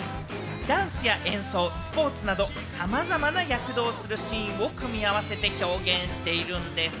ダンスや演奏、スポーツなど、さまざまな躍動するシーンを組み合わせて表現しているんでぃす。